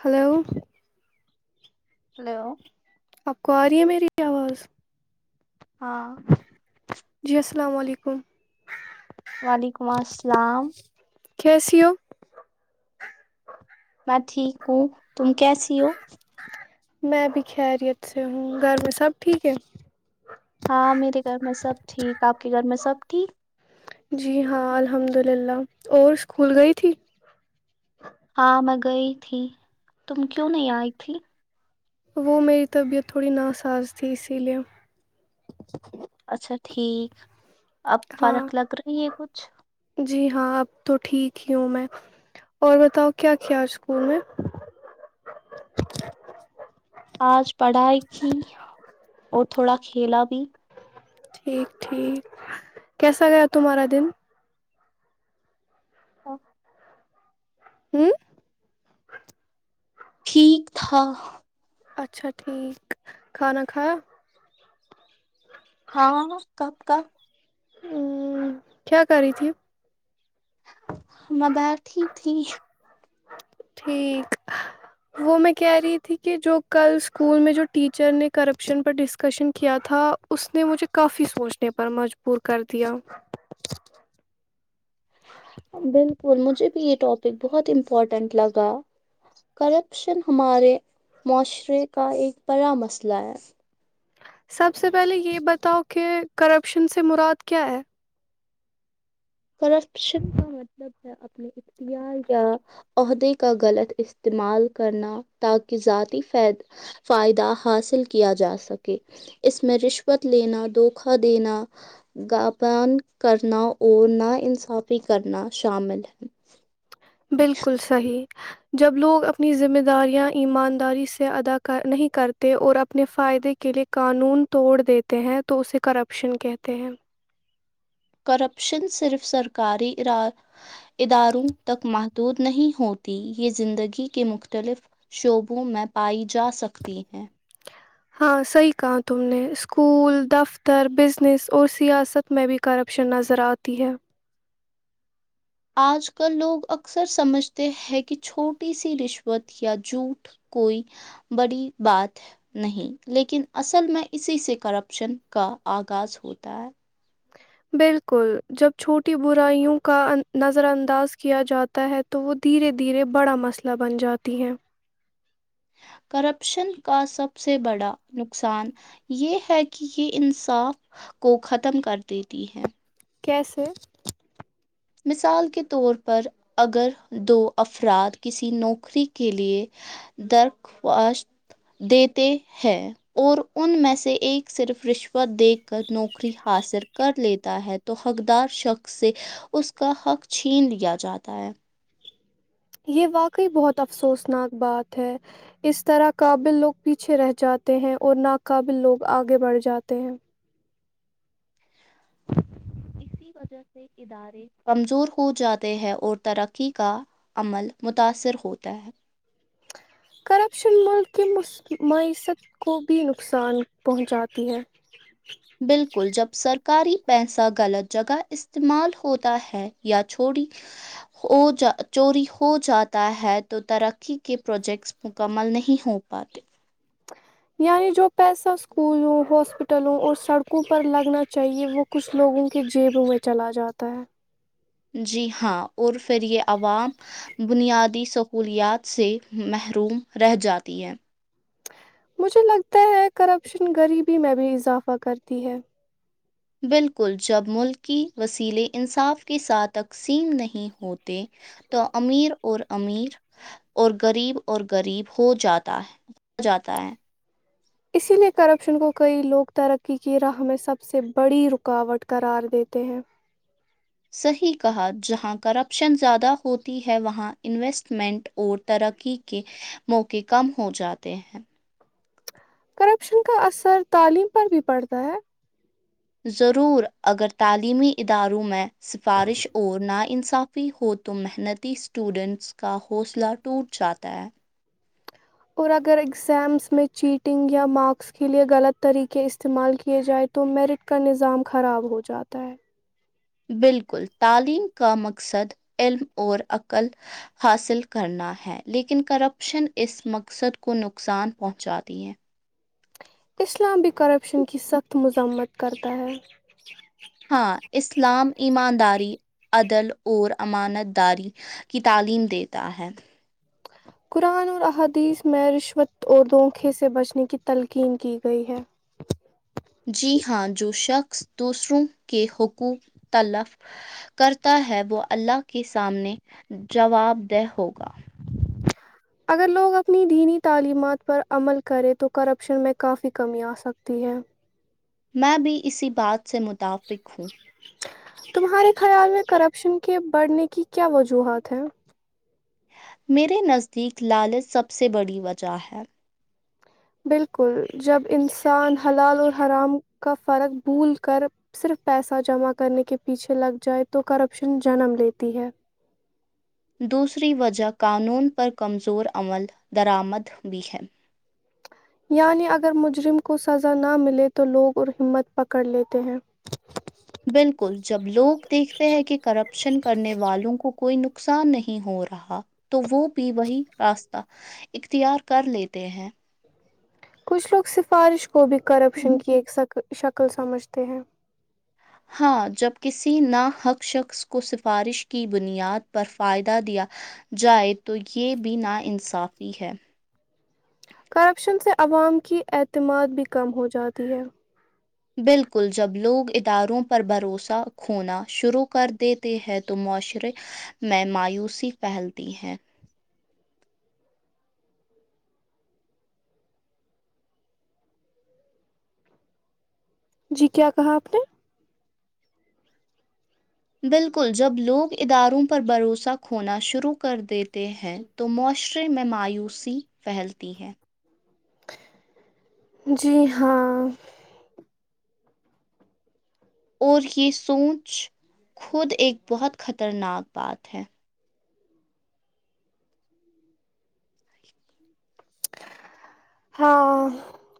hello hello آپ کو آ رہی ہے میری آواز ہاں جی السلام علیکم وعلیکم السلام کیسییو میں ٹھیک ہوں تم کیسی ہو میں بھی خیریت سے ہوں گھر میں سب ٹھیک ہے ہاں میرے گھر میں سب ٹھیک آپ کے گھر میں سب ٹھیک جی ہاں الحمد للہ اور اسکول گئی تھی ہاں میں گئی تھی تم کیوں نہیں آئی تھی وہ میری طبیعت تھوڑی ناساز تھی اسی لیے اچھا ٹھیک اب ہاں فرق لگ رہی ہے کچھ جی ہاں اب تو ٹھیک ہی ہوں میں اور بتاؤ کیا کیاج اسکول میں آج پڑھائی کی اور تھوڑا کھیلا بھی ٹھیک ٹھیک کیسا گیا تمہارا دن ا ہوں ٹھیک تھا اچھا ٹھیک کھانا کھا کی ا کیا کری تھی بات ٹھیک تھی کہ وہ میں کہہ رہی تھی کہ جو کل سکول میں جو ٹیچر نے کرپشن کو ڈسکشن کیا تھا اس نے مجھے کافی سوچنے پر مجبور کر دیا بالکل مجھے بھی یہ ٹاپک بہت امپورٹنٹ لگا کرپشن ہمارے معاشرے کا ایک بڑا مسئلہ ہے سب سے پہلے یہ بتاؤ کہ کرپشن سے مراد کیا ہے کرپشن کا مطلب ہے اپنے اختیار یا عہدے کا غلط استعمال کرنا تاکہ ذاتی فائدہ حاصل کیا جا سکے اس میں رشوت لینا دھوکا دینا گاپان کرنا اور نہ انصافی کرنا شامل ہے بالکل صحی جب لوگ اپنی ذمہ داریاں ایمانداری سے ادا نہیں کرتے اور اپنے فائدے کے لئے قانون توڑ دیتے ہیں تو اسے کرپشن کہتے ہیں کرپشن صرف سرکاری اداروں تک محدود نہیں ہوتی یہ زندگی کے مختلف شعبوں میں پائی جاسکتی ہے ہاں صحیح کہا تم نے اسکول دفتر بزنس اور سیاست میں بھی کرپشن نظر آتی ہے آج کل لوگ اکثر سمجھتے ہیں کہ چھوٹی سی رشوت یا جھوٹ کوئی بڑی بات نہیں لیکن اصل میں اسی سے کرپشن کا آغاز ہوتا ہے بالکل جب چھوٹی برائیوں کا نظر انداز کیا جاتا ہے تو وہ دھیرے دھیرے بڑا مسئلہ بن جاتی ہیں کرپشن کا سب سے بڑا نقصان یہ ہے کہ یہ انصاف کو ختم کر دیتی ہے کیسے مثال کے طور پر اگر دو افراد کسی نوکری کے لیے درخواست دیتے ہیں اور ان میں سے ایک صرف رشوت دیکھ کر نوکری حاصل کر لیتا ہے تو حقدار شخص سے اس اس کا حق چھین لیا جاتا ہے یہ واقعی بہت افسوسناک بات ہے اس طرح قابل لوگ پیچھے رہ جاتے ہیں اور ناقابل لوگ آگے بڑھ جاتے ہیں اسی وجہ سے ادارے کمزور ہو جاتے ہیں اور ترقی کا عمل متاثر ہوتا ہے کرپشن ملک کی معیشت کو بھی نقصان پہنچاتی ہے کاری پیسہ غلط جگہ استعمال ہوتا ہے یا چوروری ہو جا چوری ہو جاتا ہے تو ترقی کے پروجیکٹس مکمل نہیں ہو پاتے یعنی جو پیسہ اسکولوں ہاسپٹلوں اور سڑکوں پر لگنا چاہیے وہ کچھ لوگوں کے جیبوں میں چلا جاتا ہے جی ہاں اور پھر یہ عوام بنیادی سہولیات سے محروم رہ جاتی ہے مجھے لگتا ہے کرپشن غریبی میں بھی اضافہ کرتی ہے بالکل جب ملک کی وسیلے انصاف کے ساتھ تقسیم نہیں ہوتے تو امیر اور غریب اور غب ہو جاتا ہے اسی لیے کرپشن کو کئی لوگ ترقی کی راہ میں سب سے بڑی رکاوٹ قرار دیتے ہیں صحیح کہا جہاں کرپشن زیادہ ہوتی ہے وہاں انویسٹمنٹ اور ترقی کے موقعے کم ہو جاتے ہیں کرپشن کا اثر تعلیم پر بھی پڑتا ہے ضرور اگر تعلیمی اداروں میں سفارش اور نا انصاف ہو تو محنتی اسٹوڈنٹس کا حوصلہ ٹوٹ جاتا ہے اور اگر اگزامز میں چیٹنگ یا مارکس کے لئے غلط طریقے استعمال کیے جائے تو میرٹ کا نظام خراب ہو جاتا ہے بالکل تعلیم کا مقصد علم اور عقل حاصل کرنا ہے لیکن کرپشن اس مقصد کو نقصان پہنچاتی ہے اسلام بھی کرپشن کی سخت مذمت کرتا ہے ہاں اسلام ایمانداری عدل اور امانت داری کی تعلیم دیتا ہے قرآن اور احادیث میں رشوت اور دھونکے سے بچنے کی تلقین کی گئی ہے جی ہاں جو شخص دوسروں کے حقوق تلف کرتا ہے وہ اللہ کے سامنے جواب دہ ہو گا اگر لوگ اپنی دینی تعلیمات پر عمل کریں تو کرپشن میں کافی کمی آسکتی ہے میں بھی اسی بات سے متفق ہوں تمہارے خیال میں کرپشن کے بڑھنے کی کیا وجوہات ہیں میرے نزدیک لالچ سب سے بڑی وجہ ہے بالکل جب انسان حلال اور حرام کا فرق بھول کر صرف پیسہ جمع کرنے کے پیچھے لگ جائے تو کرپشن جنم لیتی ہے دوسری وجہ قانون پر کمزور عمل درامد بھی ہے یعنی اگر مجرم کو سزا نہ ملے تو لوگ اور ہمت پکڑ لیتے ہیں بالکل جب لوگ دیکھتے ہیں کہ کرپشن کرنے والوں کو کوئی نقصان نہیں ہو رہا تو وہ بھی وہی راستہ اختیار کر لیتے ہیں کچھ لوگ سفارش وہ بھی کرپشن ہیں کی ایک سک شکل سمجھتے ہیں ہاں جب کسی نا حق شخص کو سفارش کی بنیاد پر فائدہ دیا جائے تو یہ بھی نا انصافی ہے کرپشن سے عوام کی اعتماد بھی کم ہوجاتی ہے بالکل جب لوگ اداروں پر بھروسہ کھونا شروع کر دیتے ہیں تو معاشرے میں مایوسی پھیلتی ہیں جی کیا کہا آپ نے بالکل جب لوگ اداروں پر بھروسہ کھونا شروع کر دیتے ہیں تو معاشرے میں مایوسی پھیلتی ہے جی ہاں اور یہ سوچ خود ایک بہت خطرناک بات ہے ہاں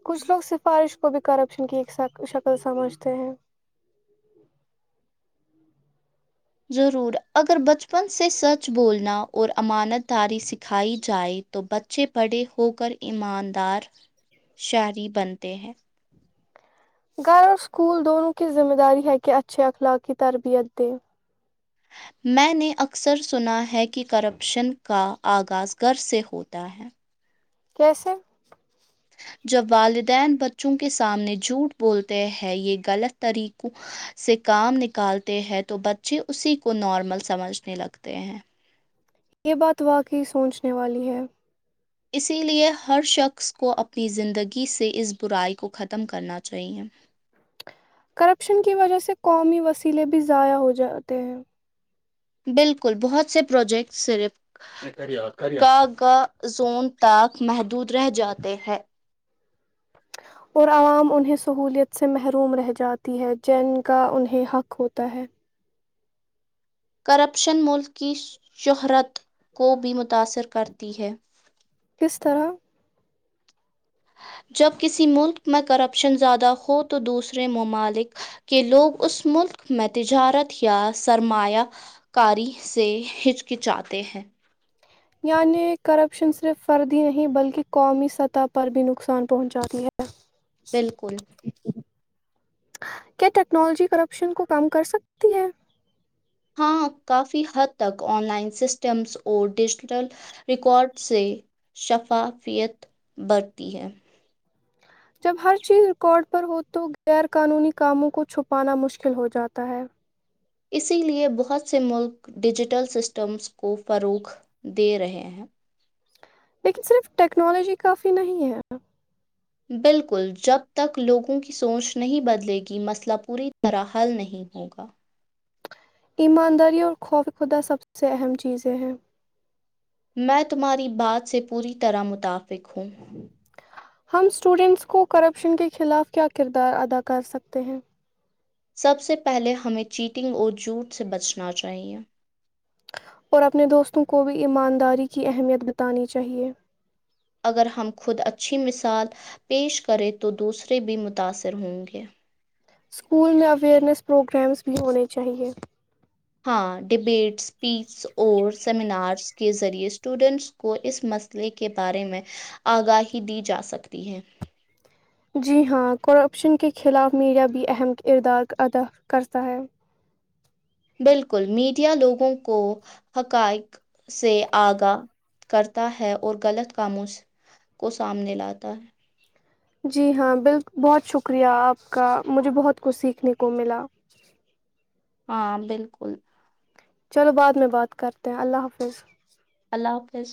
کچھ لوگ سفارش کو بھی کرپشن کی ایک شکل سمجھتے ہیں ضرور اگر بچپن سے سچ بولنا اور امانت داری سکھائی جائے تو بچے پڑے ہوکر ایماندار شہری بنتے ہیں گھر اور اسکول دونوں کی ذمہ داری ہے کہ اچھے اخلاق کی تربیت دے میں نے اکثر سنا ہے کہ کرپشن کا آغاز گر سے ہوتا ہے کیسے جب والدین بچوں کے سامنے جھوٹ بولتے ہیں غلط طریقوں سے کام نکالتے ہیں تو بچے اسی کو نارمل سمجھنے لگتے ہیں یہ بات واقعی سوچنے والی ہے اسی لے ہر شخص کو اپنی زندگی سے اس برائی کو ختم کرنا چاہیے کرپشن کی وجہ سے قومی وسیلے بھی ضائع ہو جاتے ہیں بالکل بہت سے پروجیکٹ صرف کاگ زون تک محدود رہ جاتے ہیں اور عوام انہیں سہولیت سے محروم رہ جاتی ہے جن کا انہیں حق ہوتا ہے کرپشن ملک کی شہرت کو بھی متاثر کرتی ہے کس طرح جب کسی ملک میں کرپشن زیادہ ہو تو دوسرے ممالک کے لوگ اس ملک میں تجارت یا سرمایہ کاری سے ہچکچاتے ہیں یعنی کرپشن صرف فرد ہی نہیں بلکہ قومی سطح پر بھی نقصان پہنچاتی ہے بالکل کیا ٹیکنالوجی کرپشن کو کم کر سکتی ہے ہاں کافی حد تک آن لائن سسٹمز اور ڈیجیٹل ریکارڈ سے شفافیت بڑھتی ہے جب ہر چیز ریکارڈ پر ہو تو غیر قانونی کاموں کو چھپانا مشکل ہو جاتا ہے اسی لیے بہت سے ملک ڈیجیٹل سسٹمز کو فروغ دے رہے ہیں لیکن صرف ٹیکنالوجی کافی نہیں ہے بالکل جب تک لوگوں کی سوچ نہیں بدلے گی مسئلہ پوری طرح حل نہیں ہوگا ایمانداری اور خوف خدا سب سے اہم چیزیں ہیں میں تمہاری بات سے پوری طرح متفق ہوں ہم اسٹوڈنٹس کو کرپشن کے خلاف کیا کردار ادا کر سکتے ہیں سب سے پہلے ہمیں چیٹنگ اور جھوٹ سے بچنا چاہیئے اور اپنے دوستوں کو بھی ایمانداری کی اہمیت بتانی چاہیے اگر ہم خود اچھی مثال پیش کرے تو دوسرے بھی متاثر ہوں گے اسکول میں اویرنیس پروگرامز بھی ہونے چاہیئے ہاں ڈبیٹ اسپیچ اور سیمینارس کے ذریعے اسٹوڈنٹس کو اس مسئلے کے بارے میں آگاہی دی جا سکتی ہے جی ہاں کرپشن کے خلاف میڈیا بھی اہم کردار ادا کرتا ہے بالکل میڈیا لوگوں کو حقائق سے آگا کرتا ہے اور غلط کاموں کو سامنے لاتا ہے جی ہاں بالک بہت شکریہ آپ کا مجھے بہت کچھ سیکھنے کو ملا ہاں بالکل چلو بعد میں بات کرتے ہیں اللہ حافظ اللہ حافظ